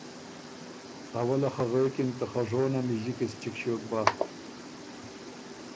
اوله خه غوېکِن که خه ژونه مِݫی کی سو چِګ ݭیوک بَۀ